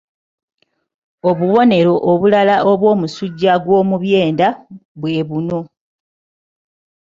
Obubonero obulala obw'omusujja gw'omu byenda bwe buno